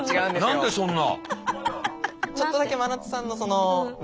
何でそんな。